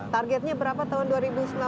targetnya berapa tahun dua ribu sembilan belas